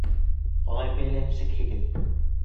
Ҡалай бәйләнсекһең!